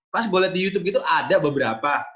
pas gue liat di youtube gitu ada beberapa